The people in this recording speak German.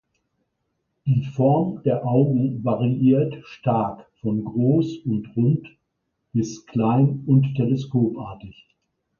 Die Form der Augen variiert stark von groß und rund bis klein und teleskopartig.